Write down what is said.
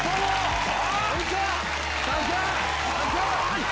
はい！